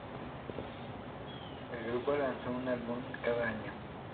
El grupo lanzó un álbum cada año.